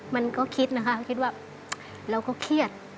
มันก็คิดนะคะคิดว่าเราก็เครียด